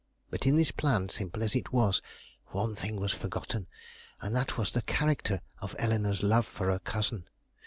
But in this plan, simple as it was, one thing was forgotten, and that was the character of Eleanore's love for her cousin.